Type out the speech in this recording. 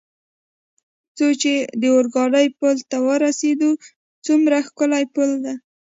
څو چې د اورګاډي پل ته ورسېدو، څومره ښکلی پل.